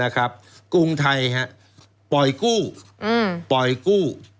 กรุงไทยฮะปล่อยกู้